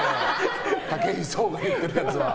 武井壮が言っているやつは。